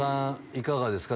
いかがですか？